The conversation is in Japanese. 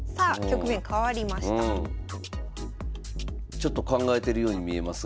ちょっと考えてるように見えますが。